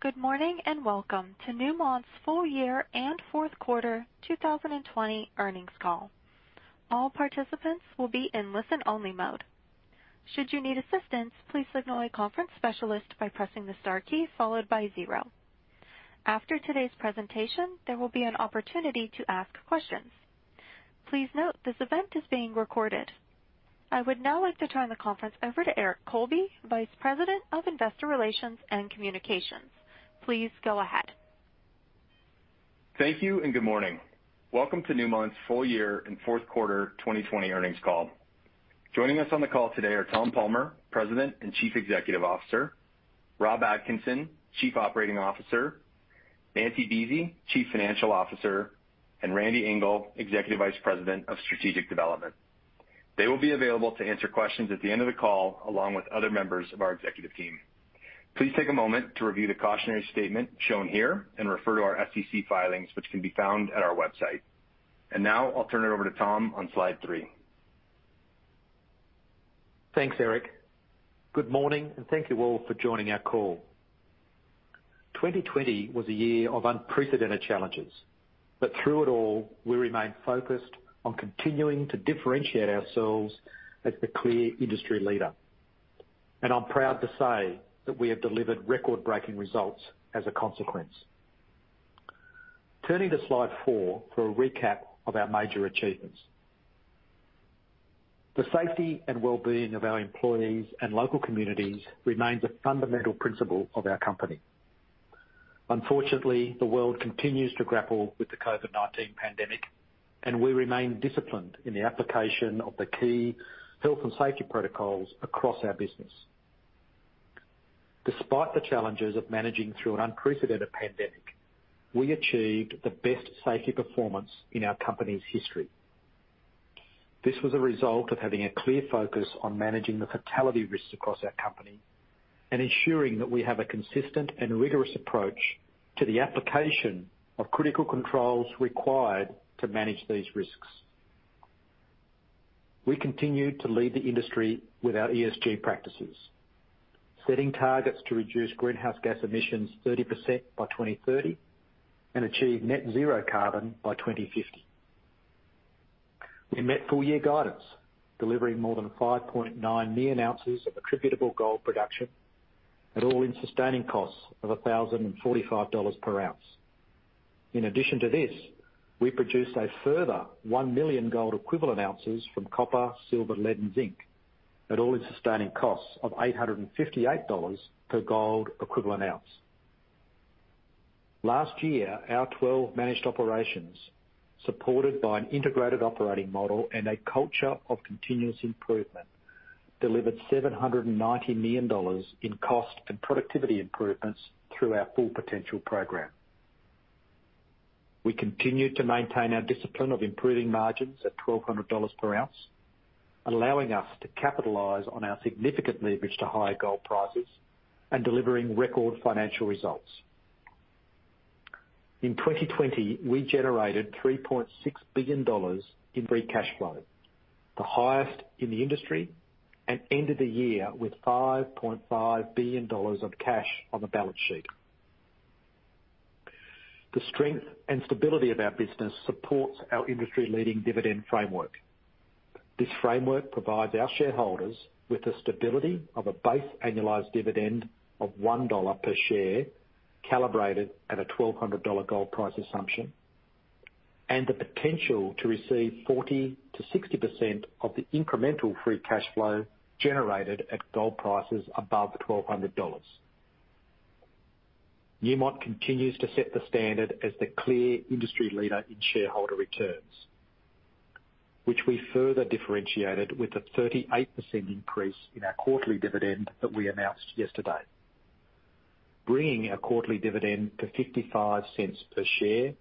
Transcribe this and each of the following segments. Good morning, welcome to Newmont's full year and fourth quarter 2020 earnings call. All participants will be in listen-only mode. Should you need assistance, please signal a conference specialist by pressing the star key followed by zero. After today's presentation, there will be an opportunity to ask questions. Please note this event is being recorded. I would now like to turn the conference over to Eric Colby, Vice President of Investor Relations and Communications. Please go ahead. Thank you, and good morning. Welcome to Newmont's full year and fourth quarter 2020 earnings call. Joining us on the call today are Tom Palmer, President and Chief Executive Officer, Rob Atkinson, Chief Operating Officer, Nancy Buese, Chief Financial Officer, and Randy Engel, Executive Vice President of Strategic Development. They will be available to answer questions at the end of the call, along with other members of our executive team. Please take a moment to review the cautionary statement shown here and refer to our SEC filings, which can be found at our website. Now I'll turn it over to Tom on slide three. Thanks, Eric. Good morning. Thank you all for joining our call. 2020 was a year of unprecedented challenges. Through it all, we remained focused on continuing to differentiate ourselves as the clear industry leader. I'm proud to say that we have delivered record-breaking results as a consequence. Turning to slide four for a recap of our major achievements. The safety and wellbeing of our employees and local communities remains a fundamental principle of our company. Unfortunately, the world continues to grapple with the COVID-19 pandemic. We remain disciplined in the application of the key health and safety protocols across our business. Despite the challenges of managing through an unprecedented pandemic, we achieved the best safety performance in our company's history. This was a result of having a clear focus on managing the fatality risks across our company and ensuring that we have a consistent and rigorous approach to the application of critical controls required to manage these risks. We continue to lead the industry with our ESG practices, setting targets to reduce greenhouse gas emissions 30% by 2030 and achieve net zero carbon by 2050. We met full-year guidance, delivering more than 5.9 million ounces of attributable gold production at all-in sustaining costs of $1,045 per ounce. In addition to this, we produced a further 1 million gold equivalent ounces from copper, silver, lead, and zinc at all-in sustaining costs of $858 per gold equivalent ounce. Last year, our 12 managed operations, supported by an integrated operating model and a culture of continuous improvement, delivered $790 million in cost and productivity improvements through our Full Potential program. We continue to maintain our discipline of improving margins at $1,200 per ounce, allowing us to capitalize on our significant leverage to higher gold prices and delivering record financial results. In 2020, we generated $3.6 billion in free cash flow, the highest in the industry, and ended the year with $5.5 billion of cash on the balance sheet. The strength and stability of our business supports our industry-leading dividend framework. This framework provides our shareholders with the stability of a base annualized dividend of $1 per share, calibrated at a $1,200 gold price assumption, and the potential to receive 40%-60% of the incremental free cash flow generated at gold prices above $1,200. Newmont continues to set the standard as the clear industry leader in shareholder returns, which we further differentiated with a 38% increase in our quarterly dividend that we announced yesterday, bringing our quarterly dividend to $0.55 per share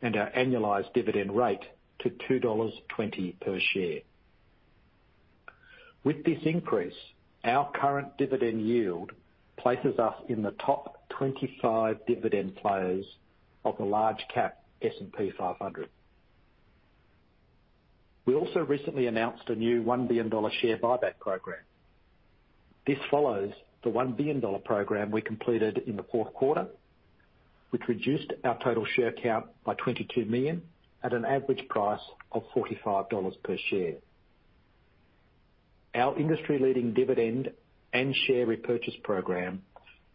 and our annualized dividend rate to $2.20 per share. With this increase, our current dividend yield places us in the top 25 dividend players of the large-cap S&P 500. We also recently announced a new $1 billion share buyback program. This follows the $1 billion program we completed in the fourth quarter, which reduced our total share count by 22 million at an average price of $45 per share. Our industry-leading dividend and share repurchase program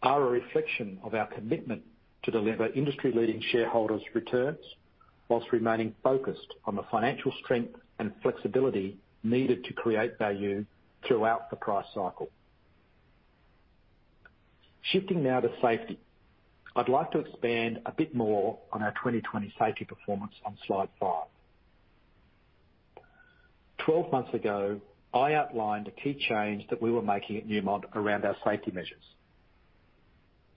are a reflection of our commitment to deliver industry-leading shareholders' returns whilst remaining focused on the financial strength and flexibility needed to create value throughout the price cycle. Shifting now to safety. I'd like to expand a bit more on our 2020 safety performance on slide five. 12 months ago, I outlined a key change that we were making at Newmont around our safety measures,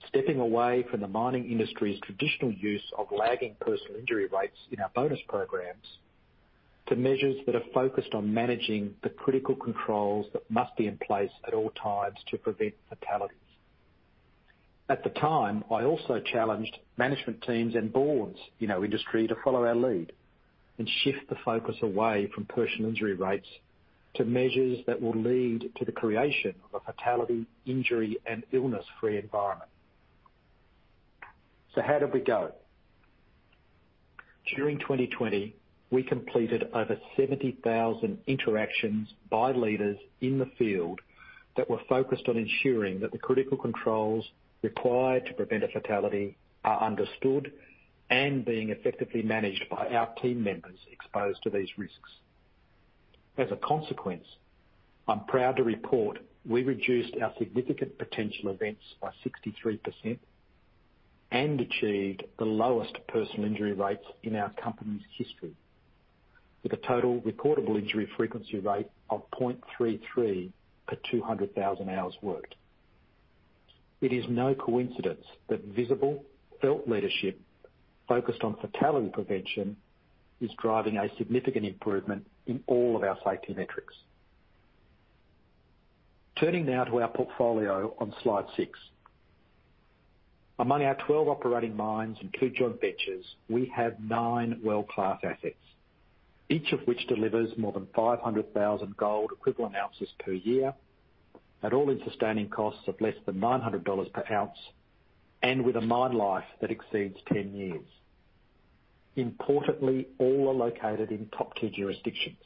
stepping away from the mining industry's traditional use of lagging personal injury rates in our bonus programs to measures that are focused on managing the critical controls that must be in place at all times to prevent fatalities. At the time, I also challenged management teams and boards in our industry to follow our lead. Shift the focus away from personal injury rates to measures that will lead to the creation of a fatality, injury, and illness-free environment. How did we go? During 2020, we completed over 70,000 interactions by leaders in the field that were focused on ensuring that the critical controls required to prevent a fatality are understood and being effectively managed by our team members exposed to these risks. As a consequence, I'm proud to report we reduced our significant potential events by 63% and achieved the lowest personal injury rates in our company's history, with a total recordable injury frequency rate of 0.33 per 200,000 hours worked. It is no coincidence that visible, felt leadership focused on fatality prevention is driving a significant improvement in all of our safety metrics. Turning now to our portfolio on slide six. Among our 12 operating mines and two joint ventures, we have nine world-class assets, each of which delivers more than 500,000 gold equivalent ounces per year at all-in sustaining costs of less than $900 per ounce, and with a mine life that exceeds 10 years. Importantly, all are located in top-tier jurisdictions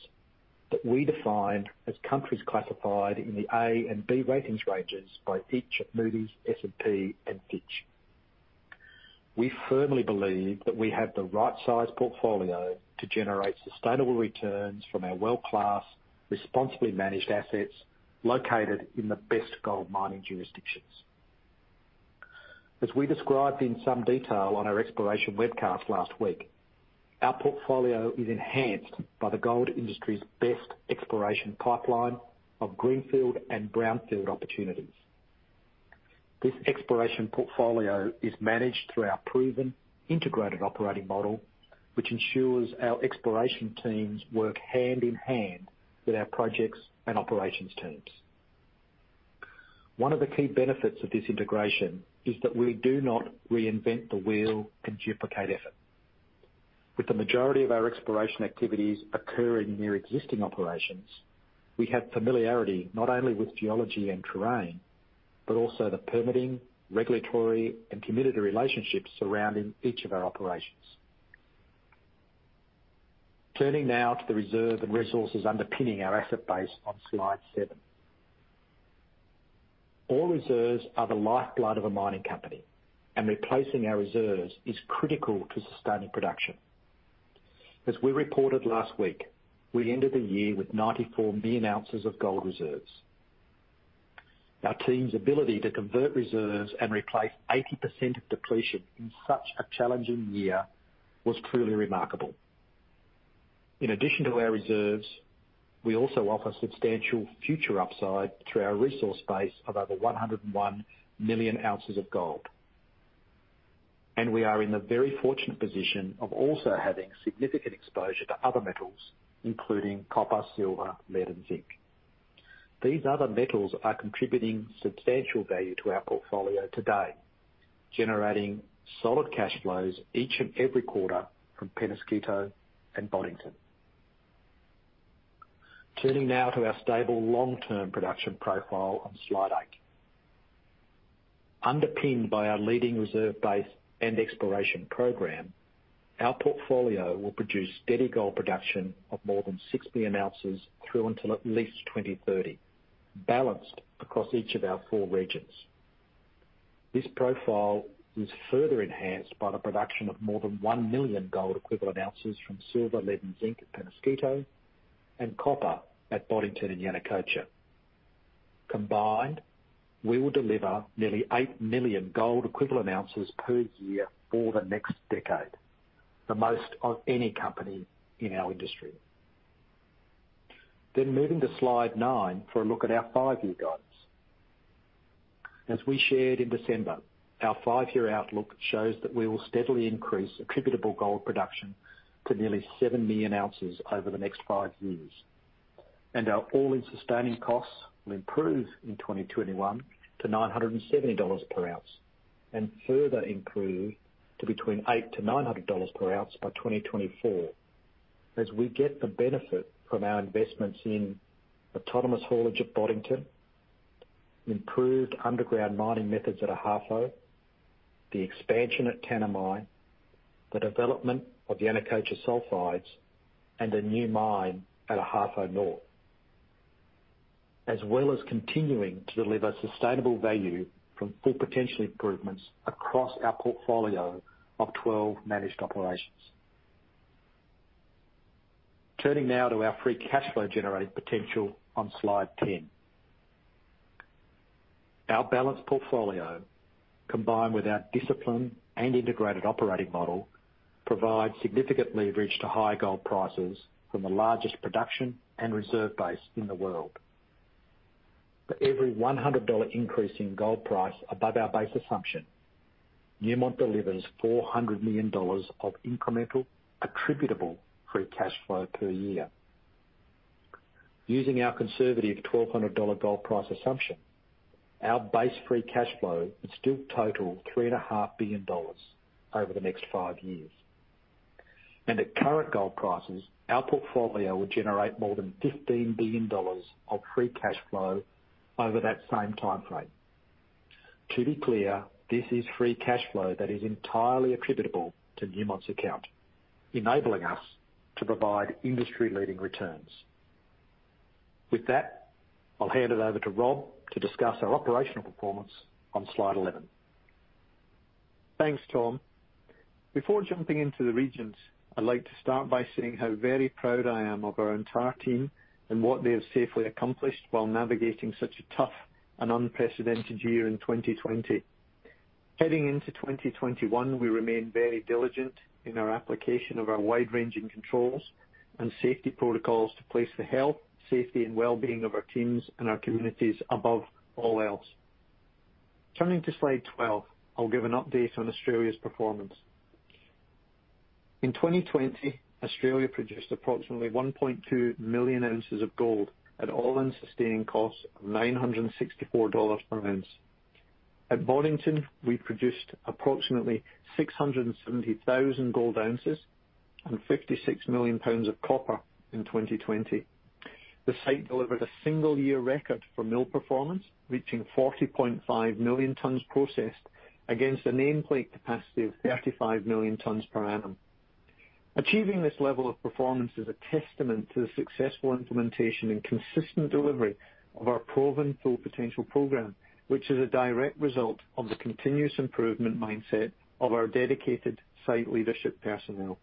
that we define as countries classified in the A and B ratings ranges by Fitch, Moody's, S&P, and Fitch. We firmly believe that we have the right size portfolio to generate sustainable returns from our world-class, responsibly managed assets located in the best gold mining jurisdictions. As we described in some detail on our exploration webcast last week, our portfolio is enhanced by the gold industry's best exploration pipeline of greenfield and brownfield opportunities. This exploration portfolio is managed through our proven integrated operating model, which ensures our exploration teams work hand-in-hand with our projects and operations teams. One of the key benefits of this integration is that we do not reinvent the wheel and duplicate effort. With the majority of our exploration activities occurring near existing operations, we have familiarity not only with geology and terrain, but also the permitting, regulatory, and community relationships surrounding each of our operations. Turning now to the reserve and resources underpinning our asset base on slide seven. Ore reserves are the lifeblood of a mining company, and replacing our reserves is critical to sustaining production. As we reported last week, we ended the year with 94 million ounces of gold reserves. Our team's ability to convert reserves and replace 80% of depletion in such a challenging year was truly remarkable. In addition to our reserves, we also offer substantial future upside through our resource base of over 101 million ounces of gold. We are in the very fortunate position of also having significant exposure to other metals, including copper, silver, lead, and zinc. These other metals are contributing substantial value to our portfolio today, generating solid cash flows each and every quarter from Peñasquito and Boddington. Turning now to our stable long-term production profile on slide eight. Underpinned by our leading reserve base and exploration program, our portfolio will produce steady gold production of more than 6 million ounces through until at least 2030, balanced across each of our four regions. This profile is further enhanced by the production of more than 1 million gold equivalent ounces from silver, lead, and zinc at Peñasquito and copper at Boddington and Yanacocha. Combined, we will deliver nearly 8 million gold equivalent ounces per year for the next decade, the most of any company in our industry. Moving to slide nine for a look at our five-year guidance. As we shared in December, our five-year outlook shows that we will steadily increase attributable gold production to nearly 7 million ounces over the next five years, and our all-in sustaining costs will improve in 2021 to $970 per ounce and further improve to between $800 to $900 per ounce by 2024 as we get the benefit from our investments in autonomous haulage at Boddington, improved underground mining methods at Ahafo, the expansion at Tanami, the development of Yanacocha sulfides, and a new mine at Ahafo North, as well as continuing to deliver sustainable value from Full Potential improvements across our portfolio of 12 managed operations. Turning now to our free cash flow generating potential on slide 10. Our balanced portfolio, combined with our discipline and integrated operating model, provide significant leverage to high gold prices from the largest production and reserve base in the world. For every $100 increase in gold price above our base assumption, Newmont delivers $400 million of incremental attributable free cash flow per year. Using our conservative $1,200 gold price assumption, our base free cash flow would still total $3.5 billion over the next 5 years. At current gold prices, our portfolio would generate more than $15 billion of free cash flow over that same timeframe. To be clear, this is free cash flow that is entirely attributable to Newmont's account, enabling us to provide industry-leading returns. With that, I'll hand it over to Rob to discuss our operational performance on slide 11. Thanks, Tom. Before jumping into the regions, I'd like to start by saying how very proud I am of our entire team and what they have safely accomplished while navigating such a tough and unprecedented year in 2020. Heading into 2021, we remain very diligent in our application of our wide-ranging controls and safety protocols to place the health, safety, and well-being of our teams and our communities above all else. Turning to slide 12, I'll give an update on Australia's performance. In 2020, Australia produced approximately 1.2 million ounces of gold at all-in sustaining costs of $964 per ounce. At Boddington, we produced approximately 670,000 gold ounces and 56 million pounds of copper in 2020. The site delivered a single-year record for mill performance, reaching 40.5 million tons processed against a nameplate capacity of 35 million tons per annum. Achieving this level of performance is a testament to the successful implementation and consistent delivery of our proven Full Potential program, which is a direct result of the continuous improvement mindset of our dedicated site leadership personnel.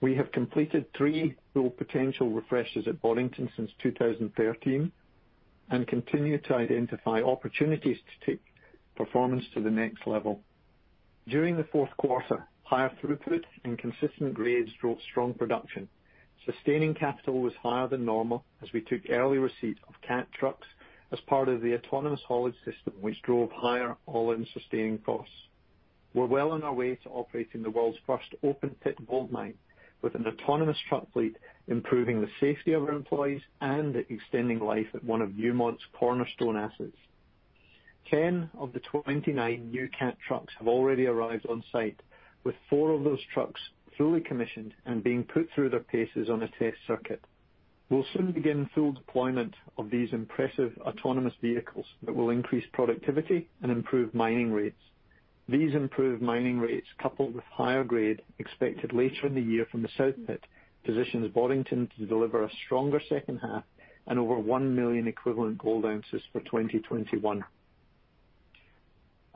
We have completed three Full Potential refreshes at Boddington since 2013 and continue to identify opportunities to take performance to the next level. During the fourth quarter, higher throughput and consistent grades drove strong production. Sustaining capital was higher than normal as we took early receipt of Cat trucks as part of the autonomous haulage system, which drove higher all-in sustaining costs. We're well on our way to operating the world's first open-pit goldmine with an autonomous truck fleet, improving the safety of our employees and extending life at one of Newmont's cornerstone assets. 10 of the 29 new Cat trucks have already arrived on-site, with four of those trucks fully commissioned and being put through their paces on a test circuit. We'll soon begin full deployment of these impressive autonomous vehicles that will increase productivity and improve mining rates. These improved mining rates, coupled with higher grade expected later in the year from the South Pit, positions Boddington to deliver a stronger second half and over 1 million equivalent gold ounces for 2021.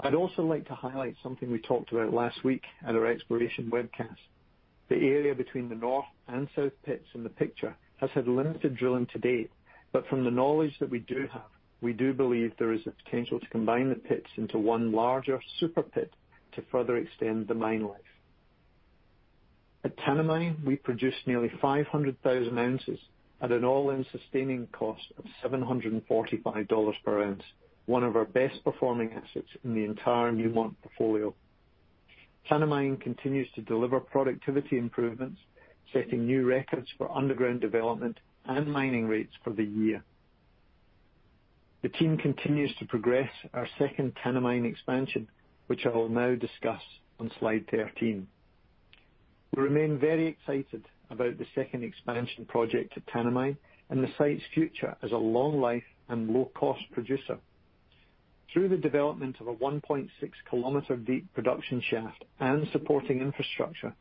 I'd also like to highlight something we talked about last week at our exploration webcast. The area between the north and south pits in the picture has had limited drilling to date, but from the knowledge that we do have, we do believe there is a potential to combine the pits into one larger super pit to further extend the mine life. At Tanami, we produced nearly 500,000 ounces at an all-in sustaining cost of $745 per ounce, one of our best-performing assets in the entire Newmont portfolio. Tanami continues to deliver productivity improvements, setting new records for underground development and mining rates for the year. The team continues to progress our second Tanami Expansion, which I will now discuss on slide 13. We remain very excited about the second Expansion project at Tanami and the site's future as a long-life and low-cost producer. Through the development of a 1.6-kilometer-deep production shaft and supporting infrastructure,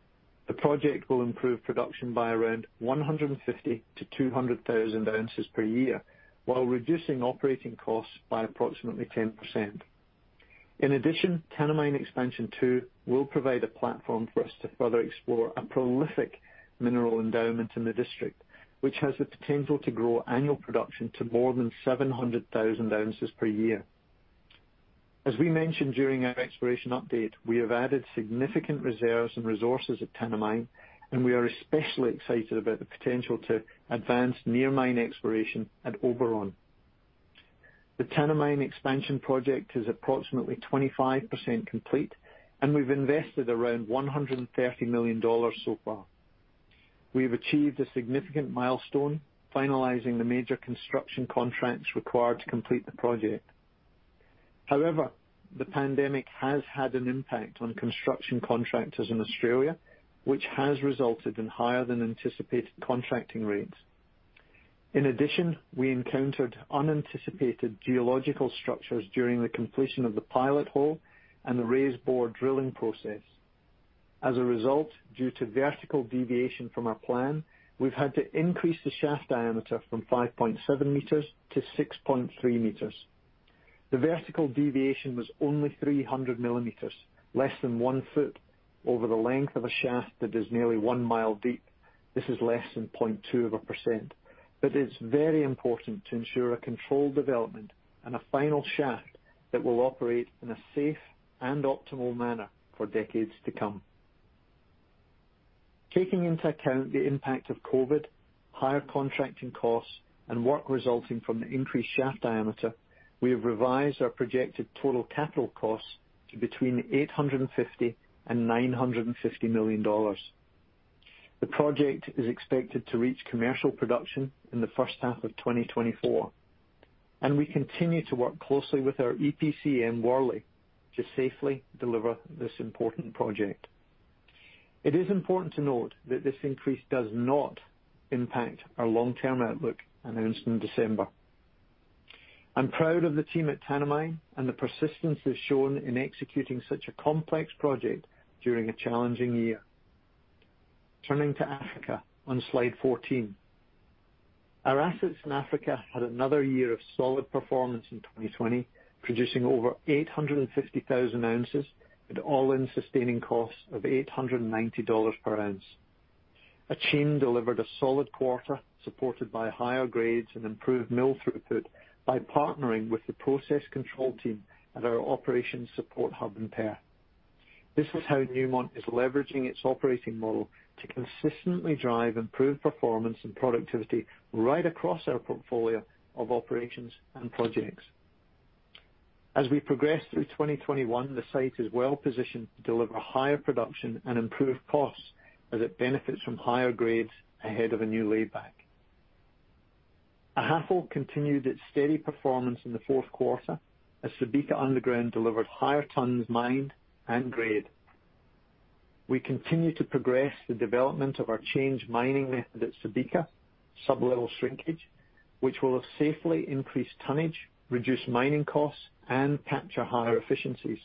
the project will improve production by around 150,000-200,000 ounces per year while reducing operating costs by approximately 10%. In addition, Tanami Expansion two will provide a platform for us to further explore a prolific mineral endowment in the district, which has the potential to grow annual production to more than 700,000 ounces per year. As we mentioned during our exploration update, we have added significant reserves and resources at Tanami, and we are especially excited about the potential to advance near mine exploration at Oberon. The Tanami Expansion Project is approximately 25% complete, and we've invested around $130 million so far. We have achieved a significant milestone, finalizing the major construction contracts required to complete the project. The pandemic has had an impact on construction contractors in Australia, which has resulted in higher-than-anticipated contracting rates. In addition, we encountered unanticipated geological structures during the completion of the pilot hole and the raise bore drilling process. As a result, due to vertical deviation from our plan, we've had to increase the shaft diameter from 5.7 m-6.3 m. The vertical deviation was only 300 mm, less than one foot over the length of a shaft that is nearly one mile deep. This is less than 0.2%. It's very important to ensure a controlled development and a final shaft that will operate in a safe and optimal manner for decades to come. Taking into account the impact of COVID, higher contracting costs and work resulting from the increased shaft diameter, we have revised our projected total capital costs to between $850 million-$950 million. The project is expected to reach commercial production in the first half of 2024, and we continue to work closely with our EPCM and Worley to safely deliver this important project. It is important to note that this increase does not impact our long-term outlook announced in December. I'm proud of the team at Tanami and the persistence they've shown in executing such a complex project during a challenging year. Turning to Africa on slide 14. Our assets in Africa had another year of solid performance in 2020, producing over 850,000 ounces at all-in sustaining costs of $890 per ounce. Ahafo delivered a solid quarter, supported by higher grades and improved mill throughput by partnering with the process control team at our operations support hub in Perth. This is how Newmont is leveraging its operating model to consistently drive improved performance and productivity right across our portfolio of operations and projects. As we progress through 2021, the site is well-positioned to deliver higher production and improved costs as it benefits from higher grades ahead of a new layback. Ahafo continued its steady performance in the fourth quarter, as Subika Underground delivered higher tonnes mined and grade. We continue to progress the development of our change mining method at Subika, sublevel shrinkage, which will have safely increased tonnage, reduced mining costs, and capture higher efficiencies.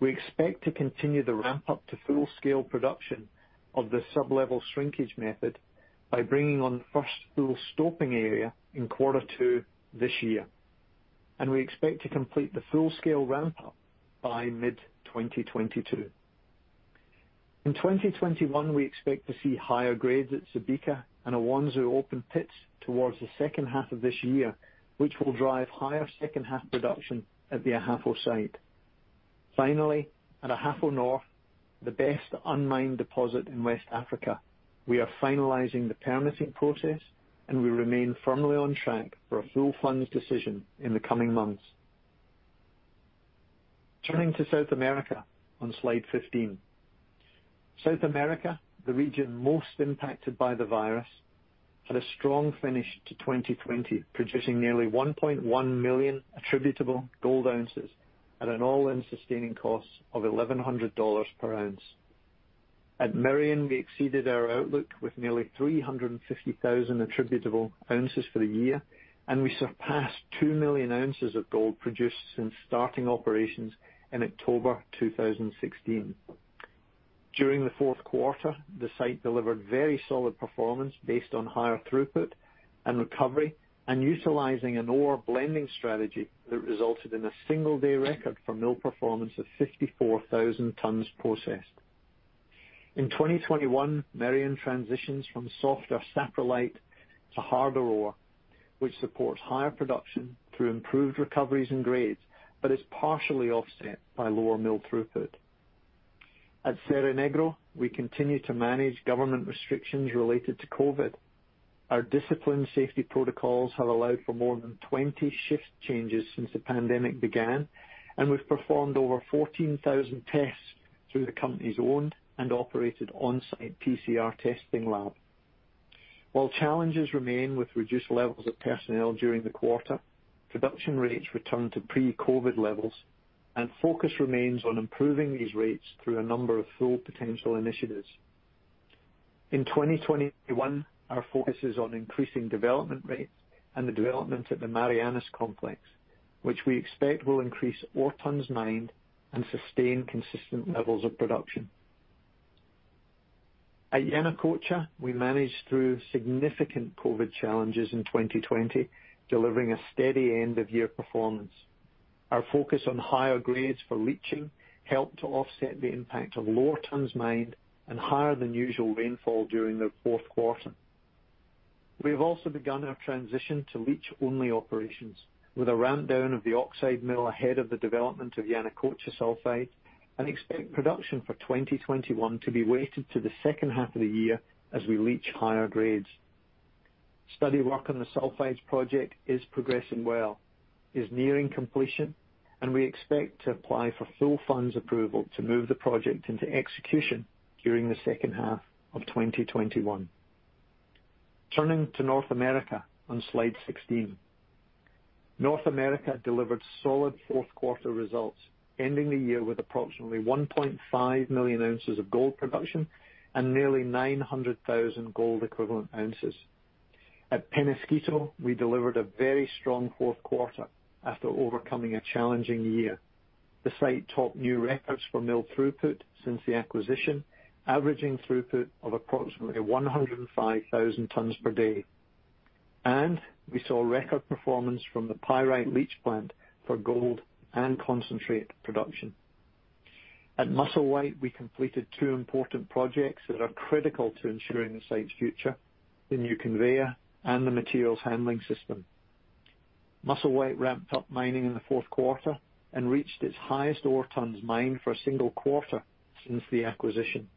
We expect to continue the ramp-up to full-scale production of the sub-level shrinkage method by bringing on the first full stoping area in quarter two this year. We expect to complete the full-scale ramp-up by mid-2022. In 2021, we expect to see higher grades at Subika and Akyem Open Pit towards the second half of this year, which will drive higher second half production at the Ahafo site. Finally, at Ahafo North, the best unmined deposit in West Africa, we are finalizing the permitting process, and we remain firmly on track for a full fund's decision in the coming months. Turning to South America on slide 15. South America, the region most impacted by the virus, had a strong finish to 2020, producing nearly 1.1 million attributable gold ounces at an all-in sustaining cost of $1,100 per ounce. At Merian, we exceeded our outlook with nearly 350,000 attributable ounces for the year, and we surpassed 2 million ounces of gold produced since starting operations in October 2016. During the fourth quarter, the site delivered very solid performance based on higher throughput and recovery and utilizing an ore blending strategy that resulted in a single-day record for mill performance of 54,000 tons processed. In 2021, Merian transitions from softer saprolite to harder ore, which supports higher production through improved recoveries and grades, but is partially offset by lower mill throughput. At Cerro Negro, we continue to manage government restrictions related to COVID. Our disciplined safety protocols have allowed for more than 20 shift changes since the pandemic began, and we've performed over 14,000 tests through the company's owned and operated on-site PCR testing lab. While challenges remain with reduced levels of personnel during the quarter, production rates returned to pre-COVID levels, and focus remains on improving these rates through a number of Full Potential initiatives. In 2021, our focus is on increasing development rates and the development at the Marianas Complex, which we expect will increase ore tons mined and sustain consistent levels of production. At Yanacocha, we managed through significant COVID challenges in 2020, delivering a steady end-of-year performance. Our focus on higher grades for leaching helped to offset the impact of lower tons mined and higher-than-usual rainfall during the fourth quarter. We have also begun our transition to leach-only operations, with a ramp down of the oxide mill ahead of the development of Yanacocha Sulphide, and expect production for 2021 to be weighted to the second half of the year as we leach higher grades. Study work on the sulfides project is progressing well, is nearing completion. We expect to apply for full funds approval to move the project into execution during the second half of 2021. Turning to North America on slide 16. North America delivered solid fourth quarter results, ending the year with approximately 1.5 million ounces of gold production and nearly 900,000 gold equivalent ounces. At Peñasquito, we delivered a very strong fourth quarter after overcoming a challenging year. The site topped new records for mill throughput since the acquisition, averaging throughput of approximately 105,000 tons per day. We saw record performance from the pyrite leach plant for gold and concentrate production. At Musselwhite, we completed two important projects that are critical to ensuring the site's future, the new conveyor and the materials handling system. Musselwhite ramped up mining in the fourth quarter and reached its highest ore tons mined for a single quarter since the acquisition.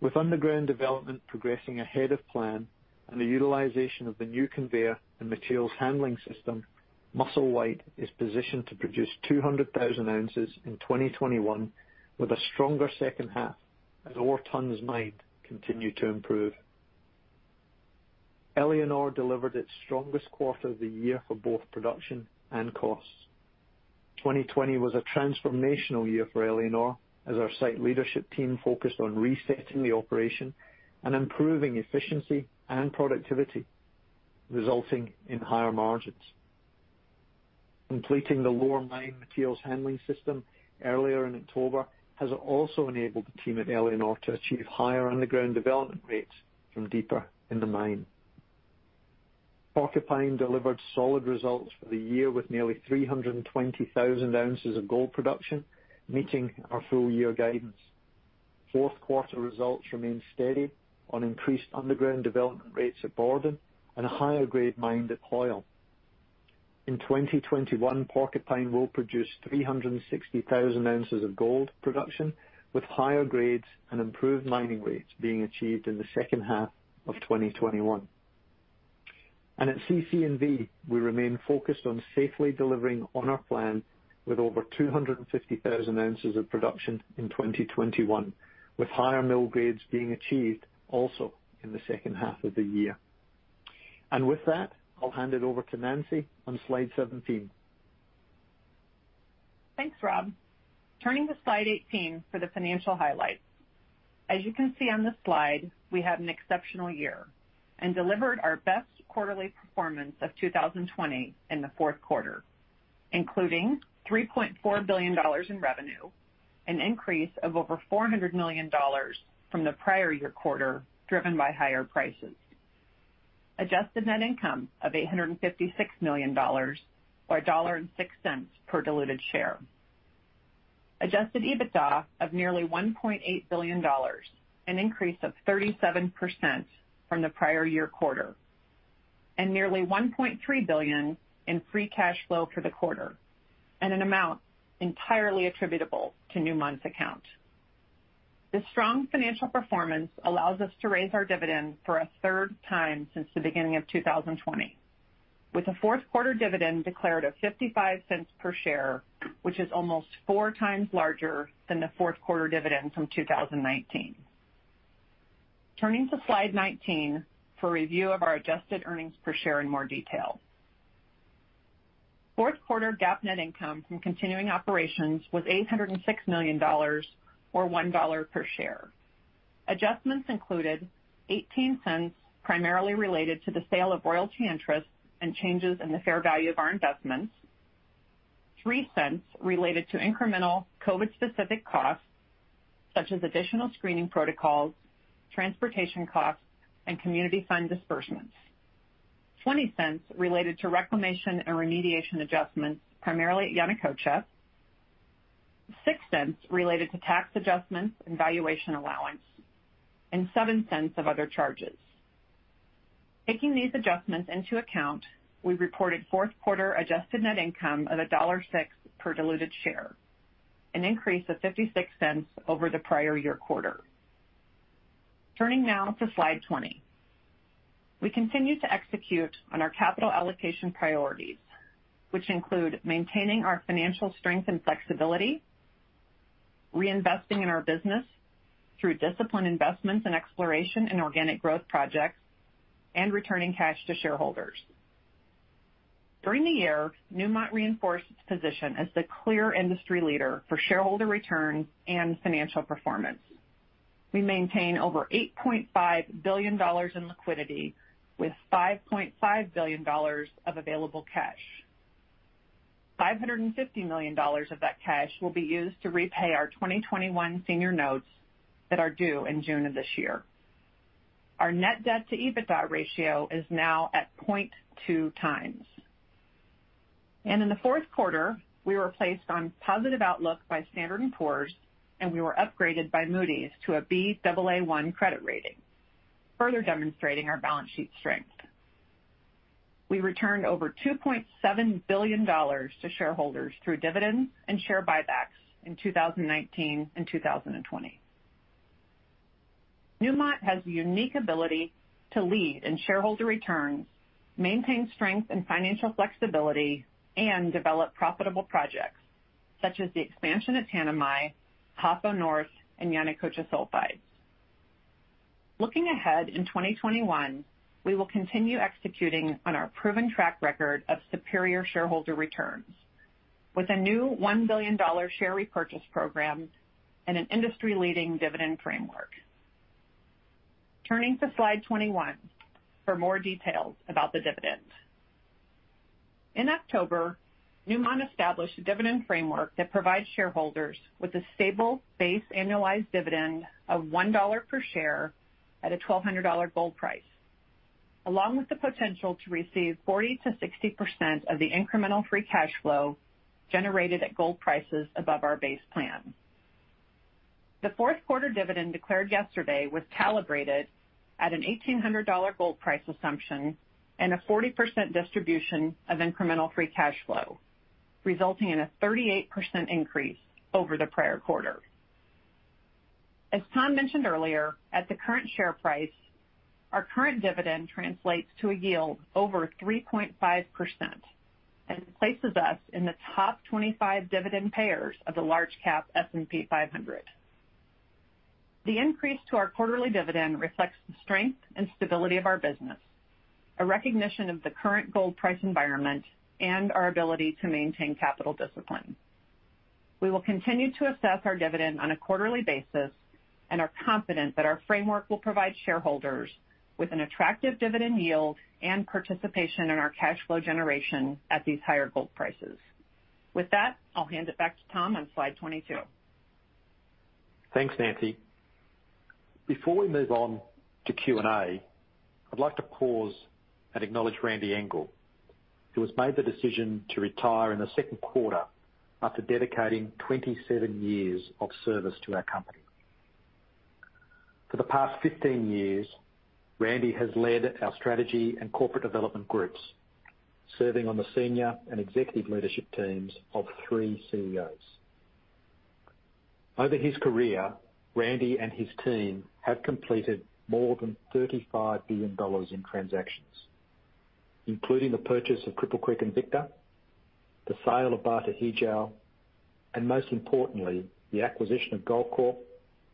With underground development progressing ahead of plan and the utilization of the new conveyor and materials handling system, Musselwhite is positioned to produce 200,000 ounces in 2021, with a stronger second half as ore tons mined continue to improve. Éléonore delivered its strongest quarter of the year for both production and costs. 2020 was a transformational year for Éléonore, as our site leadership team focused on resetting the operation and improving efficiency and productivity, resulting in higher margins. Completing the lorer mine materials handling system earlier in October has also enabled the team at Éléonore to achieve higher underground development rates from deeper in the mine. Porcupine delivered solid results for the year with nearly 320,000 ounces of gold production, meeting our full-year guidance. Fourth quarter results remained steady on increased underground development rates at Borden and a higher grade mined at Hoyle. In 2021, Porcupine will produce 360,000 ounces of gold production with higher grades and improved mining rates being achieved in the second half of 2021. At CC&V, we remain focused on safely delivering on our plan with over 250,000 ounces of production in 2021, with higher mill grades being achieved also in the second half of the year. With that, I'll hand it over to Nancy on slide 17. Thanks, Rob. Turning to slide 18 for the financial highlights. As you can see on the slide, we had an exceptional year and delivered our best quarterly performance of 2020 in the fourth quarter, including $3.4 billion in revenue, an increase of over $400 million from the prior year quarter, driven by higher prices, adjusted net income of $856 million, or $1.06 per diluted share, adjusted EBITDA of nearly $1.8 billion, an increase of 37% from the prior year quarter, and nearly $1.3 billion in free cash flow for the quarter, and an amount entirely attributable to Newmont's account. This strong financial performance allows us to raise our dividend for a third time since the beginning of 2020, with a fourth quarter dividend declared of $0.55 per share, which is almost 4x larger than the fourth quarter dividend from 2019. Turning to slide 19 for review of our adjusted earnings per share in more detail. Fourth quarter GAAP net income from continuing operations was $806 million, or $1 per share. Adjustments included $0.18 primarily related to the sale of royalty interest and changes in the fair value of our investments, $0.03 related to incremental COVID-specific costs, such as additional screening protocols, transportation costs, and community fund disbursements, $0.20 related to reclamation and remediation adjustments, primarily at Yanacocha, $0.06 related to tax adjustments and valuation allowance, and $0.07 of other charges. Taking these adjustments into account, we reported fourth-quarter adjusted net income of $1.06 per diluted share, an increase of $0.56 over the prior year quarter. Turning now to slide 20. We continue to execute on our capital allocation priorities, which include maintaining our financial strength and flexibility, reinvesting in our business through disciplined investments in exploration and organic growth projects, and returning cash to shareholders. During the year, Newmont reinforced its position as the clear industry leader for shareholder returns and financial performance. We maintain over $8.5 billion in liquidity, with $5.5 billion of available cash. $550 million of that cash will be used to repay our 2021 senior notes that are due in June of this year. Our net debt to EBITDA ratio is now at 0.2x. In the fourth quarter, we were placed on positive outlook by S&P Global Ratings, and we were upgraded by Moody's to a Baa1 credit rating, further demonstrating our balance sheet strength. We returned over $2.7 billion to shareholders through dividends and share buybacks in 2019 and 2020. Newmont has the unique ability to lead in shareholder returns, maintain strength and financial flexibility, and develop profitable projects, such as the expansion of Tanami, Ahafo North, and Yanacocha Sulfides. Looking ahead in 2021, we will continue executing on our proven track record of superior shareholder returns with a new $1 billion share repurchase program and an industry-leading dividend framework. Turning to slide 21 for more details about the dividend. In October, Newmont established a dividend framework that provides shareholders with a stable base annualized dividend of $1 per share at a $1,200 gold price, along with the potential to receive 40%-60% of the incremental free cash flow generated at gold prices above our base plan. The fourth quarter dividend declared yesterday was calibrated at an $1,800 gold price assumption and a 40% distribution of incremental free cash flow, resulting in a 38% increase over the prior quarter. As Tom mentioned earlier, at the current share price, our current dividend translates to a yield over 3.5% and places us in the top 25 dividend payers of the large cap S&P 500. The increase to our quarterly dividend reflects the strength and stability of our business, a recognition of the current gold price environment, and our ability to maintain capital discipline. We will continue to assess our dividend on a quarterly basis and are confident that our framework will provide shareholders with an attractive dividend yield and participation in our cash flow generation at these higher gold prices. With that, I'll hand it back to Tom on slide 22. Thanks, Nancy. Before we move on to Q&A, I'd like to pause and acknowledge Randy Engel, who has made the decision to retire in the second quarter after dedicating 27 years of service to our company. For the past 15 years, Randy has led our strategy and corporate development groups, serving on the senior and executive leadership teams of three CEOs. Over his career, Randy and his team have completed more than $35 billion in transactions, including the purchase of Cripple Creek and Victor, the sale of Batu Hijau, and most importantly, the acquisition of Goldcorp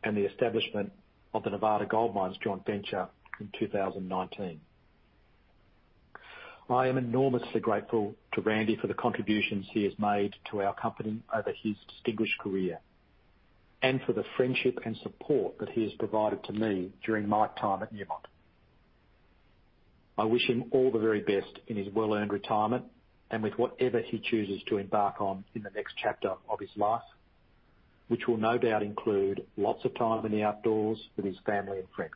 and the establishment of the Nevada Gold Mines joint venture in 2019. I am enormously grateful to Randy for the contributions he has made to our company over his distinguished career, and for the friendship and support that he has provided to me during my time at Newmont. I wish him all the very best in his well-earned retirement and with whatever he chooses to embark on in the next chapter of his life, which will no doubt include lots of time in the outdoors with his family and friends.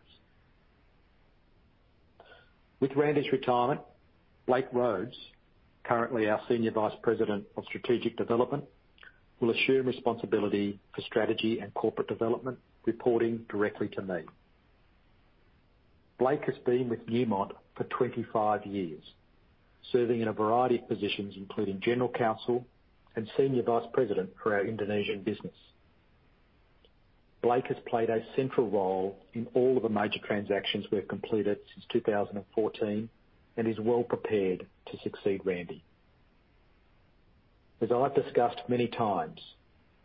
With Randy's retirement, Blake Rhodes, currently our Senior Vice President of Strategic Development, will assume responsibility for strategy and corporate development, reporting directly to me. Blake has been with Newmont for 25 years, serving in a variety of positions, including General Counsel and Senior Vice President for our Indonesian business. Blake has played a central role in all of the major transactions we've completed since 2014 and is well prepared to succeed Randy. As I've discussed many times,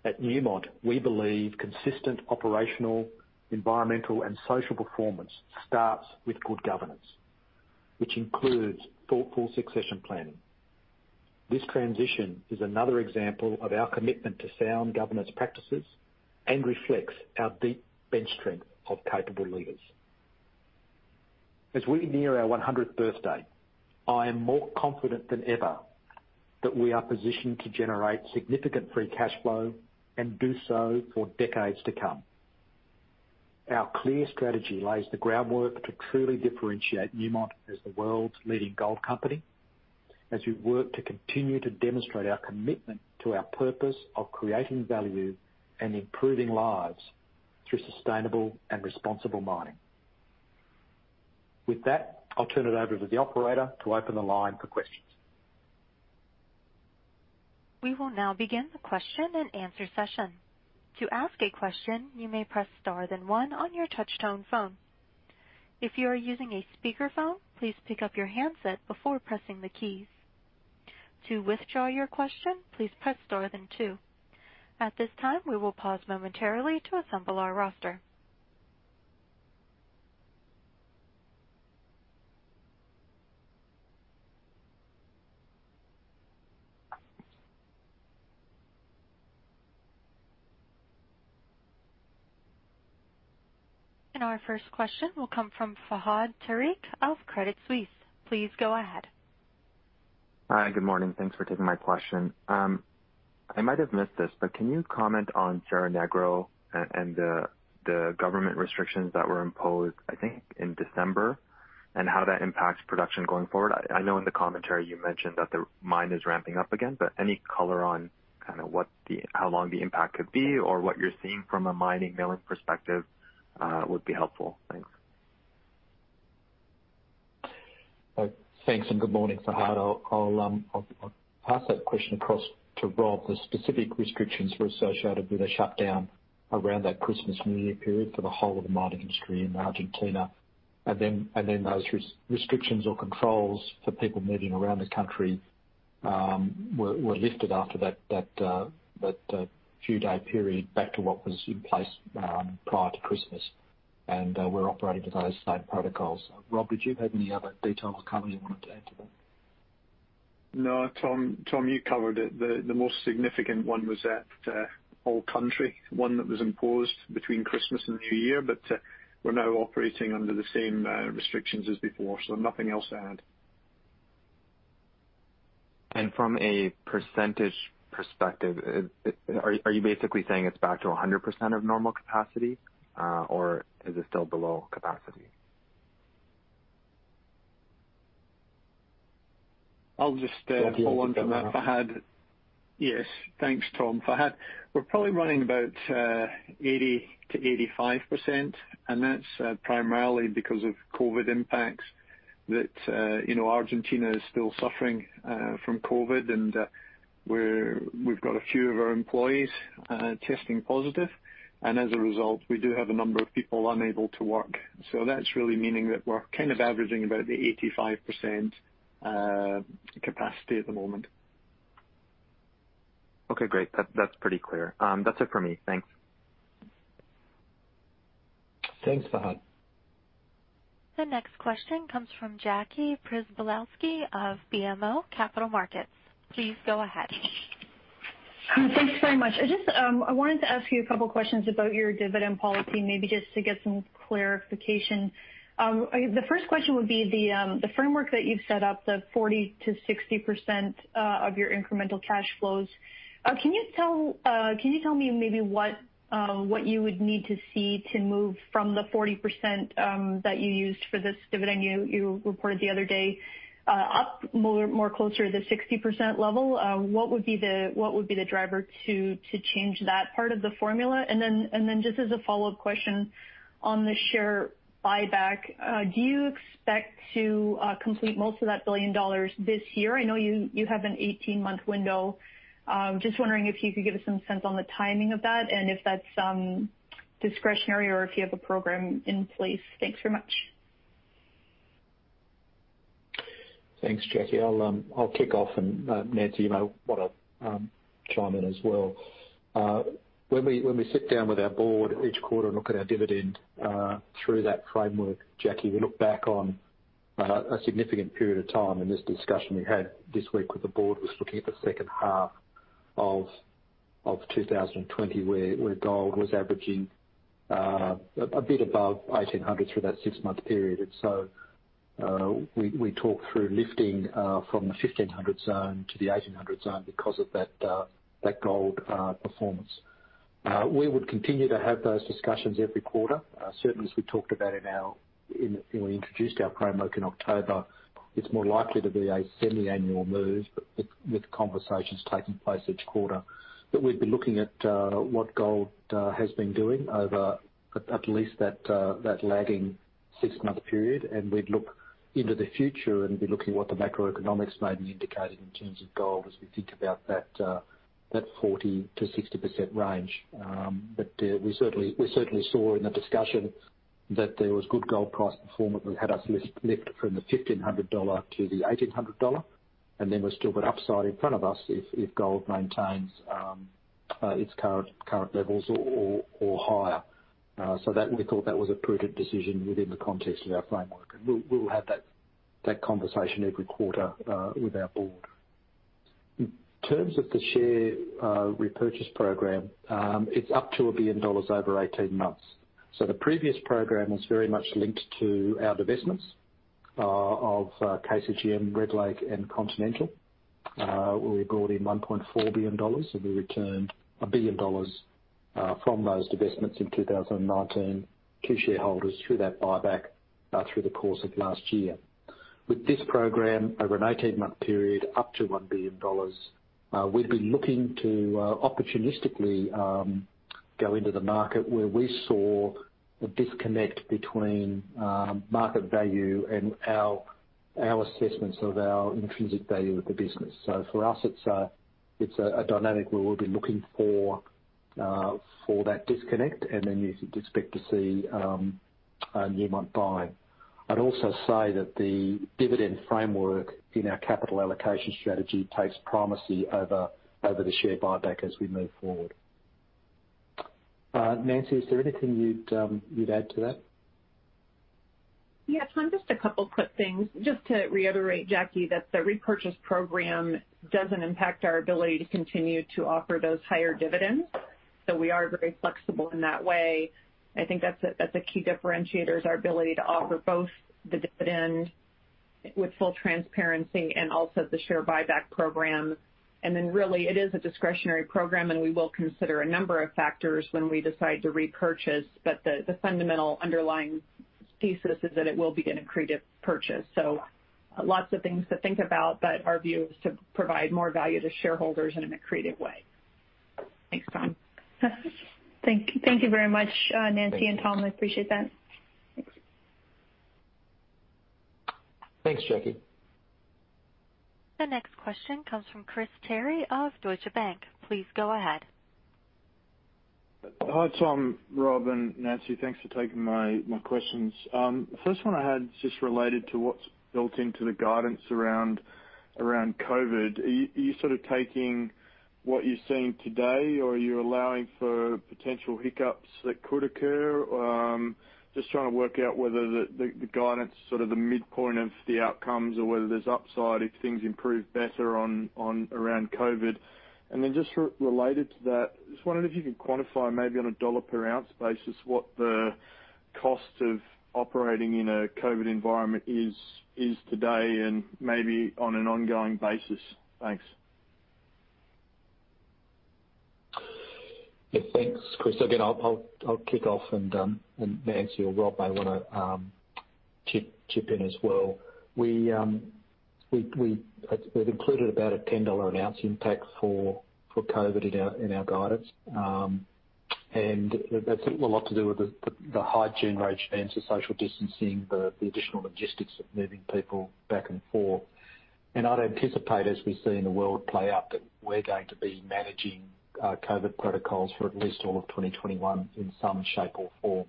at Newmont, we believe consistent operational, environmental, and social performance starts with good governance, which includes thoughtful succession planning. This transition is another example of our commitment to sound governance practices and reflects our deep bench strength of capable leaders. As we near our 100th birthday, I am more confident than ever that we are positioned to generate significant free cash flow and do so for decades to come. Our clear strategy lays the groundwork to truly differentiate Newmont as the world's leading gold company, as we work to continue to demonstrate our commitment to our purpose of creating value and improving lives through sustainable and responsible mining. With that, I'll turn it over to the operator to open the line for questions. We will now begin the question and answer session. To ask a question, you may press star then one on your touch tone phone. If you are using a speakerphone, please pick up your handset before pressing the keys. To withdraw your question, please press star then two. At this time, we will pause momentarily to assemble our roster. Our first question will come from Fahad Tariq of Credit Suisse. Please go ahead. Hi. Good morning. Thanks for taking my question. I might have missed this, but can you comment on Cerro Negro and the government restrictions that were imposed, I think, in December, and how that impacts production going forward? I know in the commentary you mentioned that the mine is ramping up again, but any color on how long the impact could be or what you're seeing from a mining milling perspective would be helpful. Thanks. Thanks, and good morning, Fahad. I'll pass that question across to Rob. The specific restrictions were associated with a shutdown around that Christmas and New Year period for the whole of the mining industry in Argentina. Those restrictions or controls for people moving around the country were lifted after that few day period back to what was in place prior to Christmas. We're operating to those same protocols. Rob, did you have any other details or color you wanted to add to that? No, Tom, you covered it. The most significant one was that whole country one that was imposed between Christmas and New Year, but we're now operating under the same restrictions as before, so nothing else to add. From a percentage perspective, are you basically saying it's back to 100% of normal capacity? Or is it still below capacity? I'll just hold on from that, Fahad. Yes, thanks, Tom. Fahad, we're probably running about 80%-85%. That's primarily because of COVID impacts that Argentina is still suffering from COVID, and we've got a few of our employees testing positive. As a result, we do have a number of people unable to work. That's really meaning that we're averaging about 85% capacity at the moment. Okay, great. That's pretty clear. That's it for me. Thanks. Thanks, Fahad. The next question comes from Jackie Przybylowski of BMO Capital Markets. Please go ahead. Thanks very much. I wanted to ask you a couple questions about your dividend policy, maybe just to get some clarification. The first question would be the framework that you've set up, the 40%-60% of your incremental cash flows. Can you tell me maybe what you would need to see to move from the 40% that you used for this dividend you reported the other day, up more closer to the 60% level? What would be the driver to change that part of the formula? Just as a follow-up question on the share buyback, do you expect to complete most of that $1 billion this year? I know you have an 18-month window. Just wondering if you could give us some sense on the timing of that and if that's discretionary or if you have a program in place. Thanks very much. Thanks, Jackie. I'll kick off, and Nancy, you might want to chime in as well. When we sit down with our board each quarter and look at our dividend, through that framework, Jackie, we look back on a significant period of time in this discussion we had this week with the board, was looking at the second half of 2020, where gold was averaging a bit above $1,800 through that 6-month period. We talked through lifting from the $1,500 zone to the $1,800 zone because of that gold performance. We would continue to have those discussions every quarter. Certainly, as we introduced our framework in October, it's more likely to be a semi-annual move, but with conversations taking place each quarter. We'd be looking at what gold has been doing over at least that lagging 6-month period, and we'd look into the future and be looking at what the macroeconomics may be indicating in terms of gold as we think about that 40%-60% range. We certainly saw in the discussion that there was good gold price performance that had us lift from the $1,500-$1,800, and then we've still got upside in front of us if gold maintains its current levels or higher. We thought that was a prudent decision within the context of our framework, and we'll have that conversation every quarter with our board. In terms of the share repurchase program, it's up to $1 billion over 18 months. The previous program was very much linked to our divestments of KCGM, Red Lake, and Continental, where we brought in $1.4 billion, and we returned $1 billion from those divestments in 2019 to shareholders through that buyback through the course of last year. With this program, over an 18-month period, up to $1 billion, we'd be looking to opportunistically go into the market where we saw a disconnect between market value and our assessments of our intrinsic value of the business. For us, it's a dynamic where we'll be looking for that disconnect, and then you could expect to see Newmont buy. I'd also say that the dividend framework in our capital allocation strategy takes primacy over the share buyback as we move forward. Nancy, is there anything you'd add to that? Tom, just a couple quick things. Just to reiterate, Jackie, that the repurchase program doesn't impact our ability to continue to offer those higher dividends. We are very flexible in that way. I think that's a key differentiator, is our ability to offer both the dividend with full transparency and also the share buyback program. Really, it is a discretionary program, and we will consider a number of factors when we decide to repurchase. The fundamental underlying thesis is that it will be an accretive purchase. Lots of things to think about, but our view is to provide more value to shareholders and in an accretive way. Thanks, Tom. Thank you very much, Nancy and Tom. I appreciate that. Thanks. Thanks, Jackie. The next question comes from Chris Terry of Deutsche Bank. Please go ahead. Hi, Tom, Rob, and Nancy. Thanks for taking my questions. First one I had is just related to what's built into the guidance around COVID. Are you taking what you're seeing today, or are you allowing for potential hiccups that could occur? Just trying to work out whether the guidance, sort of the midpoint of the outcomes or whether there's upside if things improve better around COVID. Just related to that, just wondering if you could quantify maybe on a dollar per ounce basis what the cost of operating in a COVID environment is today and maybe on an ongoing basis. Thanks. Yeah. Thanks, Chris. Again, I'll kick off and Nancy or Rob may want to chip in as well. We've included about a $10 an ounce impact for COVID in our guidance. That's a lot to do with the hygiene regimes, the social distancing, the additional logistics of moving people back and forth. I'd anticipate, as we see in the world play out, that we're going to be managing COVID protocols for at least all of 2021 in some shape or form.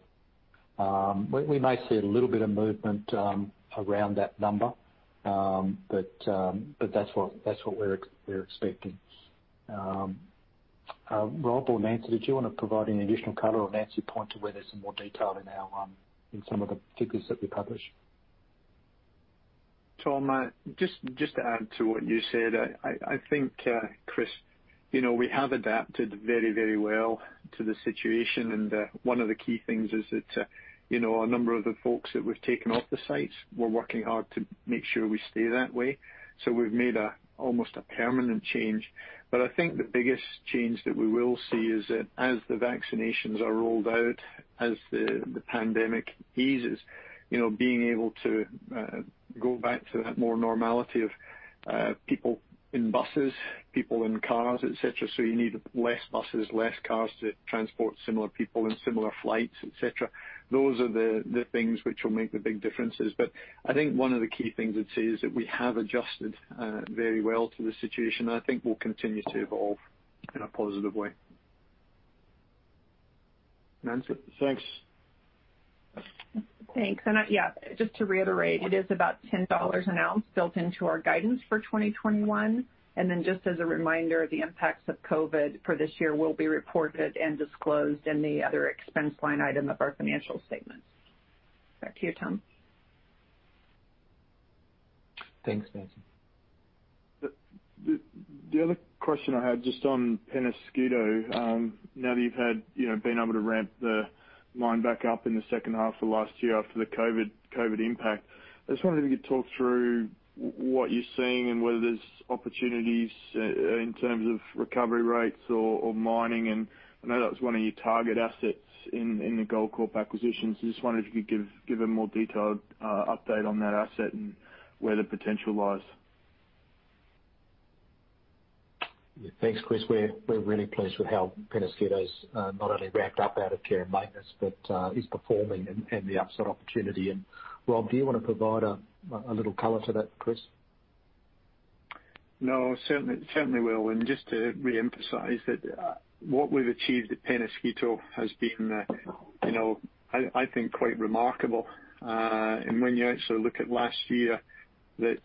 We may see a little bit of movement around that number, but that's what we're expecting. Rob or Nancy, did you want to provide any additional color? Nancy, point to where there's some more detail in some of the figures that we published. Tom, just to add to what you said, I think, Chris, we have adapted very well to the situation. One of the key things is that a number of the folks that we've taken off the sites, we're working hard to make sure we stay that way. We've made almost a permanent change. I think the biggest change that we will see is that as the vaccinations are rolled out, as the pandemic eases, being able to go back to that more normality of people in buses, people in cars, et cetera. You need less buses, less cars to transport similar people and similar flights, et cetera. Those are the things which will make the big differences. I think one of the key things I'd say is that we have adjusted very well to the situation, and I think we'll continue to evolve in a positive way. Nancy? Thanks. Thanks. Yeah, just to reiterate, it is about $10 an ounce built into our guidance for 2021. Just as a reminder, the impacts of COVID for this year will be reported and disclosed in the other expense line item of our financial statements. Back to you, Tom. Thanks, Nancy. The other question I had just on Peñasquito, now that you've been able to ramp the mine back up in the second half of last year after the COVID impact, I just wondered if you could talk through what you're seeing and whether there's opportunities in terms of recovery rates or mining. I know that was one of your target assets in the Goldcorp acquisition. Just wondered if you could give a more detailed update on that asset and where the potential lies. Yeah. Thanks, Chris. We're really pleased with how Peñasquito's not only ramped up out of care and maintenance, but is performing and the upside opportunity. Rob, do you want to provide a little color to that, Chris? No, certainly will. Just to reemphasize that what we've achieved at Peñasquito has been, I think, quite remarkable. When you actually look at last year, there's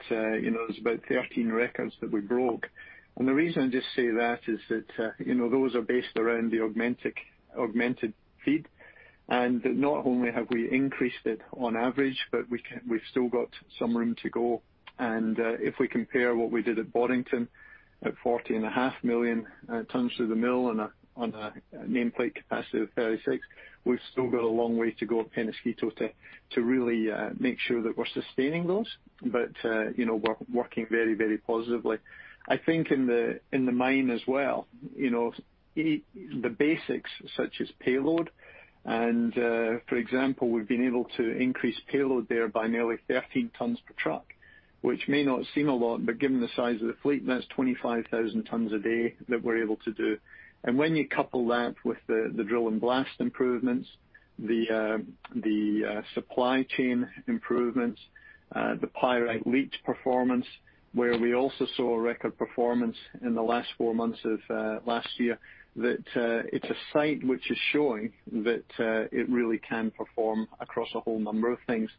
about 13 records that we broke. The reason I just say that is that those are based around the augmented feed. Not only have we increased it on average, but we've still got some room to go. If we compare what we did at Boddington at 40.5 million tons through the mill on a nameplate capacity of 36, we've still got a long way to go at Peñasquito to really make sure that we're sustaining those. We're working very positively. I think in the mine as well, the basics such as payload and, for example, we've been able to increase payload there by nearly 13 tons per truck, which may not seem a lot, but given the size of the fleet, that's 25,000 tons a day that we're able to do. When you couple that with the drill and blast improvements, the supply chain improvements, the pyrite leach performance, where we also saw a record performance in the last four months of last year, that it's a site which is showing that it really can perform across a whole number of things.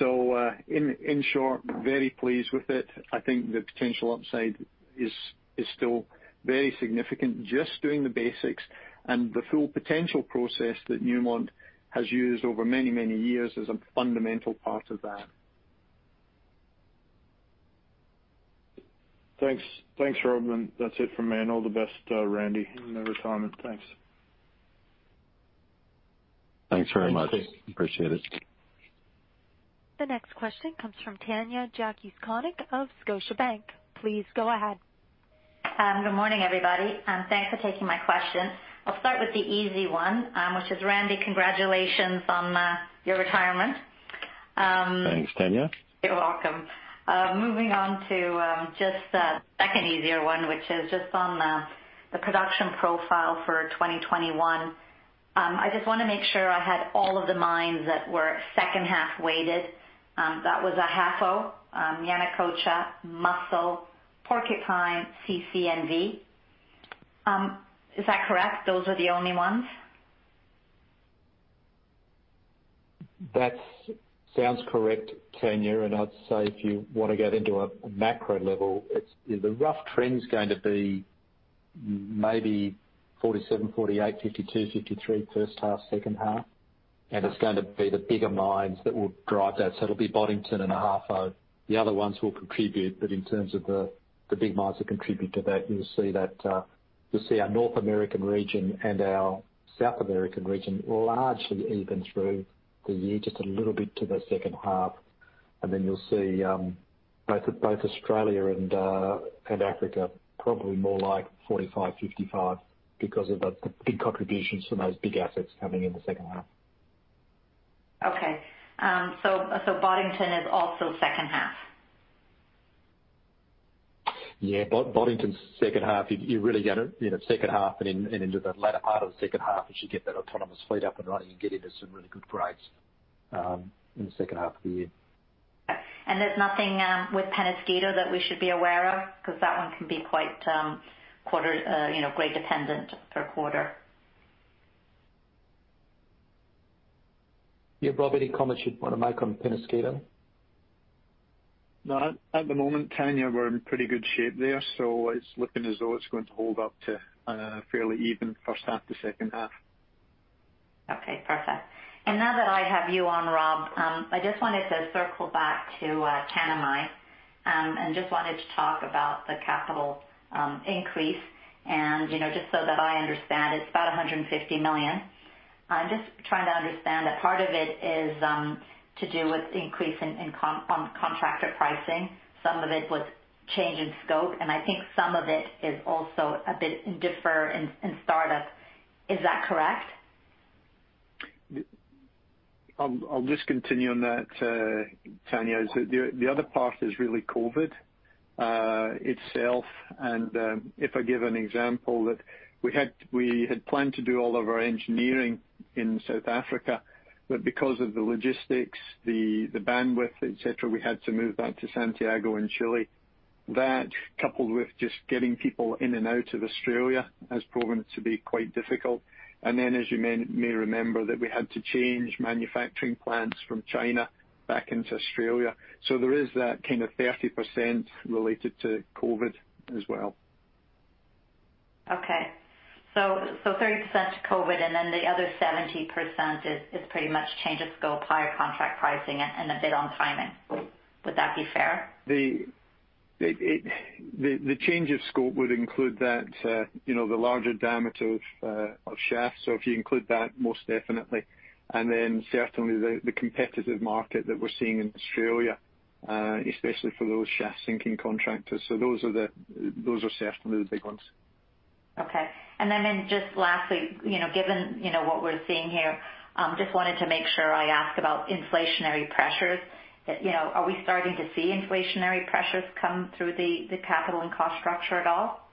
In short, very pleased with it. I think the potential upside is still very significant, just doing the basics, and the Full Potential process that Newmont has used over many years is a fundamental part of that. Thanks, Rob, and that's it from me. All the best, Randy, in your retirement. Thanks. Thanks very much. Thanks, Chris. Appreciate it. The next question comes from Tanya Jakusconek of Scotiabank. Please go ahead. Good morning, everybody, and thanks for taking my question. I'll start with the easy one, which is, Randy, congratulations on your retirement. Thanks, Tanya. You're welcome. Moving on to just a second easier one, which is just on the production profile for 2021. I just want to make sure I had all of the mines that were second half weighted. That was Ahafo, Yanacocha, Musselwhite, Porcupine, CC&V. Is that correct? Those are the only ones? That sounds correct, Tanya. I'd say if you want to get into a macro level, the rough trend's going to be maybe 47, 48, 52, 53, first half, second half. It's going to be the bigger mines that will drive that. It'll be Boddington and Ahafo. The other ones will contribute, but in terms of the big mines that contribute to that, you'll see our North American region and our South American region largely even through the year, just a little bit to the second half. Then you'll see both Australia and Africa probably more like 45/55 because of the big contributions from those big assets coming in the second half. Okay. Boddington is also second half? Yeah. Boddington's second half, you really get it in second half and into the latter part of the second half as you get that autonomous fleet up and running, you get into some really good grades in the second half of the year. There's nothing with Peñasquito that we should be aware of? Because that one can be quite grade dependent per quarter. Yeah. Rob, any comments you'd want to make on Peñasquito? No. At the moment, Tanya, we're in pretty good shape there. It's looking as though it's going to hold up to a fairly even first half to second half. Okay, perfect. Now that I have you on, Rob, I just wanted to circle back to Tanami, and just wanted to talk about the capital increase. Just so that I understand, it's about $150 million. I'm just trying to understand. A part of it is to do with increase in contractor pricing, some of it with change in scope, and I think some of it is also a bit defer in startup. Is that correct? I'll just continue on that, Tanya. The other part is really COVID itself. If I give an example, that we had planned to do all of our engineering in South Africa, but because of the logistics, the bandwidth, et cetera, we had to move that to Santiago in Chile. That, coupled with just getting people in and out of Australia, has proven to be quite difficult. Then, as you may remember, that we had to change manufacturing plants from China back into Australia. There is that kind of 30% related to COVID as well. Okay. 30% COVID, and then the other 70% is pretty much change of scope, higher contract pricing, and a bit on timing. Would that be fair? The change of scope would include that, the larger diameter of shaft. If you include that, most definitely. Certainly the competitive market that we're seeing in Australia, especially for those shaft-sinking contractors. Those are certainly the big ones. Okay. Lastly, given what we're seeing here, just wanted to make sure I ask about inflationary pressures. Are we starting to see inflationary pressures come through the capital and cost structure at all?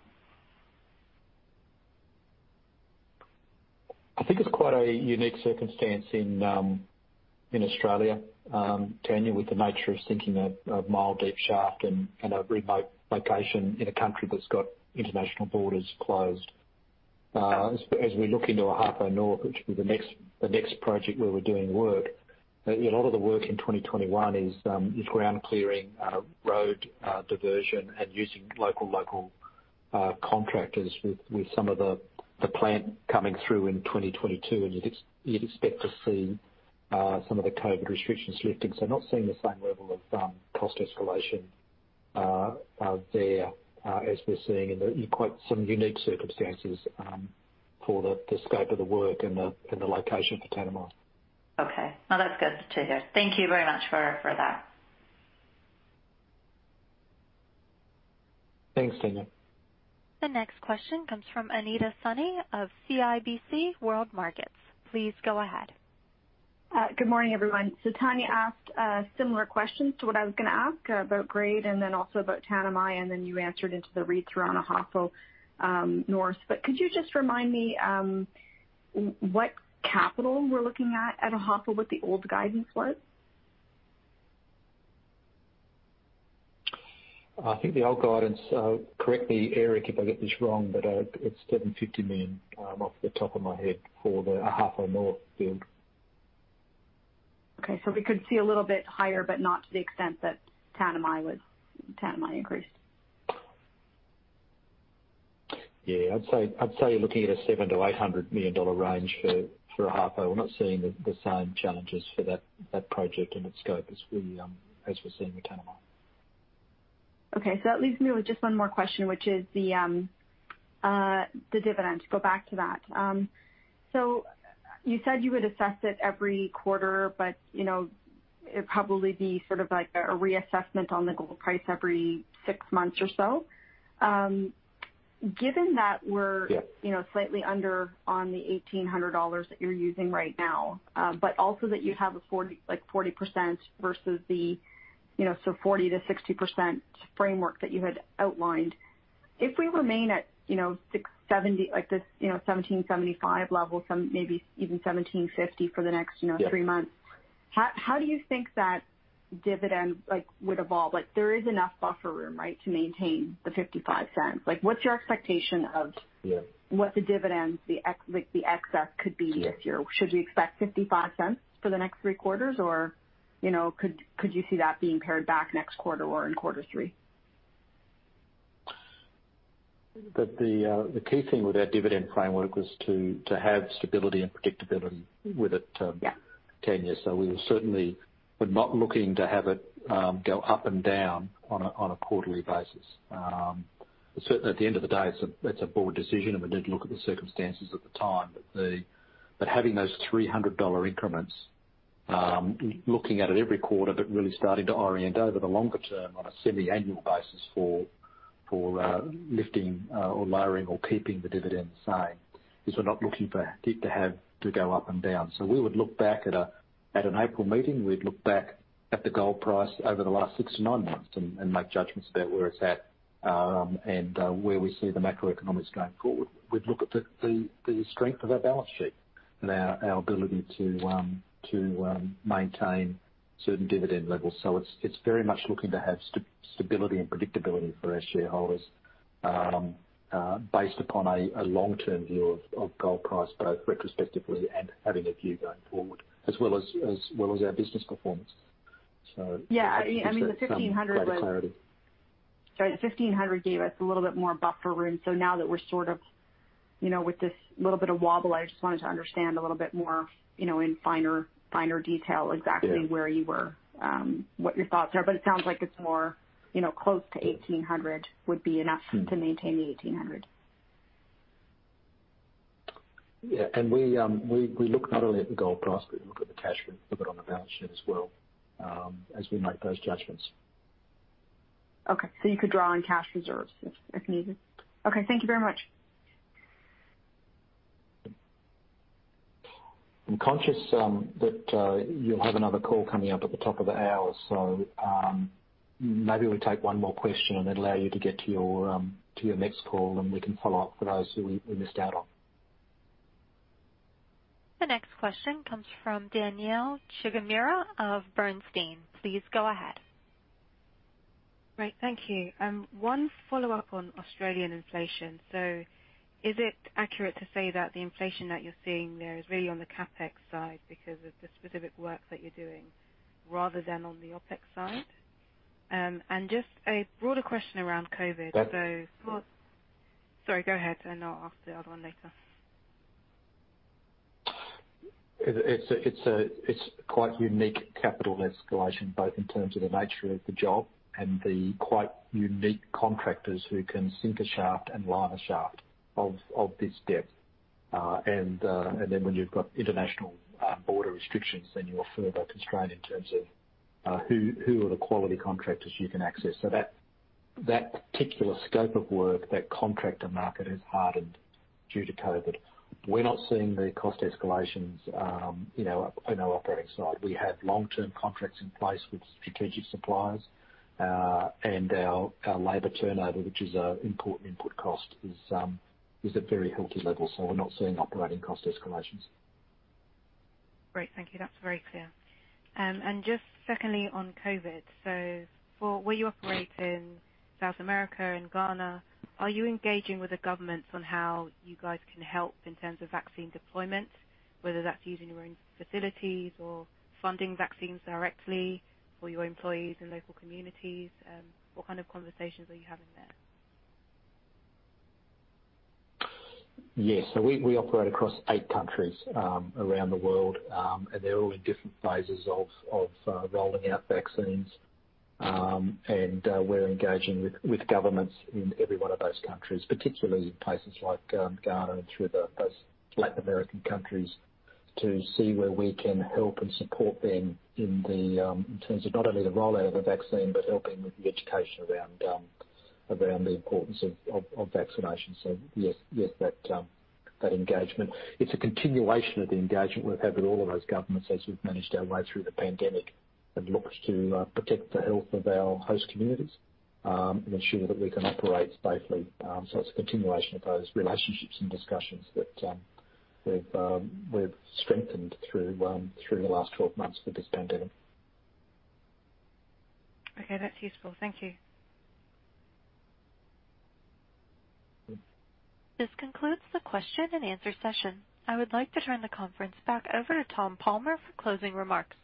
I think it's quite a unique circumstance in Australia, Tanya, with the nature of sinking a mile-deep shaft in a remote location in a country that's got international borders closed. As we look into Ahafo North, which will be the next project where we're doing work, a lot of the work in 2021 is ground clearing, road diversion, and using local contractors with some of the plant coming through in 2022. You'd expect to see some of the COVID restrictions lifting. Not seeing the same level of cost escalation there as we're seeing in quite some unique circumstances for the scope of the work and the location for Tanami. Okay. No, that's good to hear. Thank you very much for that. Thanks, Tanya. The next question comes from Anita Soni of CIBC World Markets. Please go ahead. Good morning, everyone. Tanya asked similar questions to what I was going to ask about grade and then also about Tanami, and then you answered into the read-through on Ahafo North. Could you just remind me what capital we're looking at Ahafo, what the old guidance was? I think the old guidance, correct me, Eric, if I get this wrong, but it's $750 million, off the top of my head, for the Ahafo North field. Okay. We could see a little bit higher, but not to the extent that Tanami increased. Yeah. I'd say you're looking at a $700 million-$800 million range for Ahafo. We're not seeing the same challenges for that project and its scope as we're seeing with Tanami. Okay. That leaves me with just one more question, which is the dividend. To go back to that. You said you would assess it every quarter, but it'd probably be sort of like a reassessment on the gold price every 6 months or so. Given that we're Yeah slightly under on the $1,800 that you're using right now, also that you have like 40% versus the 40%-60% framework that you had outlined. If we remain at like this $1,775 level, some maybe even $1,750. Yeah three months, how do you think that dividend would evolve? There is enough buffer room, right, to maintain the $0.55. Yeah What the dividends, the excess could be this year? Should we expect $0.55 for the next three quarters, or could you see that being pared back next quarter or in quarter three? The key thing with our dividend framework was to have stability and predictability with it, Tanya. Yeah. We were certainly were not looking to have it go up and down on a quarterly basis. Certainly, at the end of the day, it's a board decision, and we need to look at the circumstances at the time. Having those $300 increments-Looking at it every quarter, but really starting to orient over the longer term on a semiannual basis for lifting or lowering or keeping the dividend the same, because we're not looking for it to have to go up and down. We would look back at an April meeting, we'd look back at the gold price over the last six to nine months and make judgments about where it's at, and where we see the macroeconomics going forward. We'd look at the strength of our balance sheet and our ability to maintain certain dividend levels. It's very much looking to have stability and predictability for our shareholders, based upon a long-term view of gold price, both retrospectively and having a view going forward, as well as our business performance. Yeah. The $1,500 was- For clarity. Sorry, the $1,500 gave us a little bit more buffer room. Now that we're with this little bit of wobble, I just wanted to understand a little bit more, in finer detail exactly. Yeah where you were, what your thoughts are. It sounds like it's more close to $1,800 would be enough- to maintain the $1,800. Yeah. We look not only at the gold price, but we look at the cash reserve on the balance sheet as well, as we make those judgments. Okay. You could draw on cash reserves if needed? Okay. Thank you very much. I'm conscious that you'll have another call coming up at the top of the hour. Maybe we'll take one more question and then allow you to get to your next call and we can follow up for those who we missed out on. The next question comes from Danielle Shigemira of Bernstein. Please go ahead. Great. Thank you. One follow-up on Australian inflation. Is it accurate to say that the inflation that you're seeing there is really on the CapEx side because of the specific work that you're doing, rather than on the OpEx side? Just a broader question around COVID. That- Sorry, go ahead and I'll ask the other one later. It's quite unique capital escalation, both in terms of the nature of the job and the quite unique contractors who can sink a shaft and line a shaft of this depth. When you've got international border restrictions, then you're further constrained in terms of who are the quality contractors you can access. That particular scope of work, that contractor market is hardened due to COVID-19. We're not seeing the cost escalations in our operating side. We have long-term contracts in place with strategic suppliers. Our labor turnover, which is an important input cost, is at very healthy levels. We're not seeing operating cost escalations. Great. Thank you. That's very clear. Just secondly, on COVID. For where you operate in South America and Ghana, are you engaging with the governments on how you guys can help in terms of vaccine deployment, whether that's using your own facilities or funding vaccines directly for your employees and local communities? What kind of conversations are you having there? Yes. We operate across eight countries around the world, and they're all in different phases of rolling out vaccines. We're engaging with governments in every one of those countries, particularly places like Ghana and through those Latin American countries, to see where we can help and support them in terms of not only the rollout of the vaccine, but helping with the education around the importance of vaccinations. Yes to that engagement. It's a continuation of the engagement we've had with all of those governments as we've managed our way through the pandemic and looked to protect the health of our host communities, and ensure that we can operate safely. It's a continuation of those relationships and discussions that we've strengthened through the last 12 months with this pandemic. Okay. That's useful. Thank you. This concludes the question and answer session. I would like to turn the conference back over to Tom Palmer for closing remarks.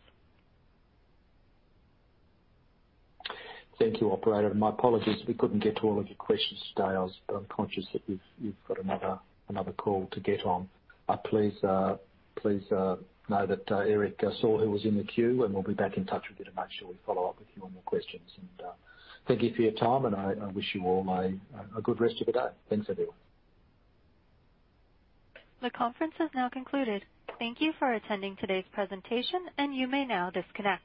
Thank you, operator. My apologies we couldn't get to all of your questions today. I was conscious that you've got another call to get on. Please know that Eric saw who was in the queue, and we'll be back in touch with you to make sure we follow up with you on your questions. Thank you for your time, and I wish you all a good rest of your day. Thanks, everyone. The conference has now concluded. Thank you for attending today's presentation, and you may now disconnect.